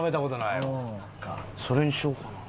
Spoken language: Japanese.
それにしようかな。